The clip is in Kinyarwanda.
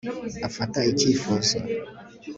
afata icyifuzo